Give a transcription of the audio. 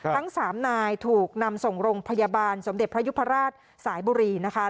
ทั้งสามนายถูกนำส่งโรงพยาบาลสมเด็จพระยุพราชสายบุรีนะคะ